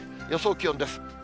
予想気温です。